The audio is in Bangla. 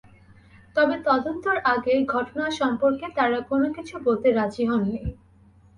তবে তদন্তের আগে ঘটনা সম্পর্কে তাঁরা কোনো কিছু বলতে রাজি হননি।